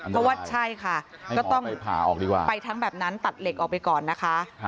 เพราะว่าใช่ค่ะก็ต้องไปทั้งแบบนั้นตัดเหล็กออกไปก่อนนะคะ